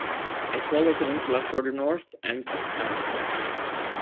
A smaller peninsula further north ends at Tanners Point.